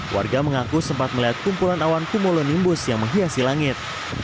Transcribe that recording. warga mengaku sempat melihat kumpulan awan kumulonimbus yang menghiasi langit